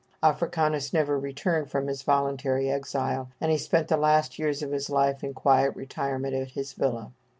Africanus never returned from his voluntary exile, and he spent the last years of his life in quiet retirement at his villa.